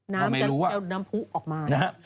น้ำพุออกมา